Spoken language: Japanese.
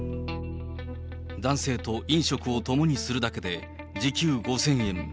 男性と飲食を共にするだけで時給５０００円。